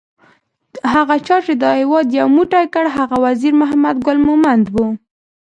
هغه چا چې دا هیواد یو موټی کړ هغه وزیر محمد ګل مومند وو